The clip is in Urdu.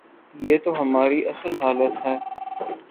یہ تو ہماری اصل حالت ہے۔